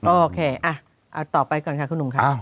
โอเคต่อไปก่อนค่ะคุณหนุ่มค่ะ